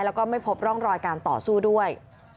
แล้วก็ไม่พบร่องรอยการต่อสู้ด้วย